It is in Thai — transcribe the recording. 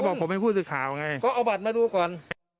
ก็บอกผมไม่พูดถึงข่าวไงก็เอาบัตรมาดูก่อน